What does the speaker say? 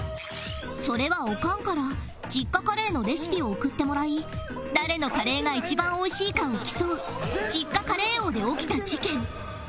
それはオカンから実家カレーのレシピを送ってもらい誰のカレーが一番美味しいかを競う実家カレー王で起きた事件